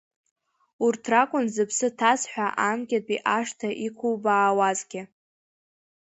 Урҭ ракәын зыԥсы ҭаз ҳәа анкьатәи ашҭа иқәубаауазгьы…